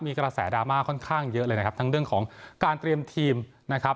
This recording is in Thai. มีกระแสดราม่าค่อนข้างเยอะเลยนะครับทั้งเรื่องของการเตรียมทีมนะครับ